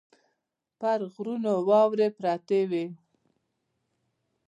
پر غرونو واورې پرتې وې.